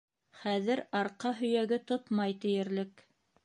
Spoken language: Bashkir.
Хәҙер арҡа һөйәге тотмай тиерлек.